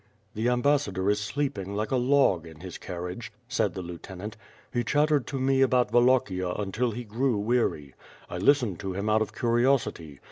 "The ambassador is sleeping like a log in his carriage," said the lieutenant. "He chattered to me about Wallachia until he grew weary. I listened to him out of curiosity.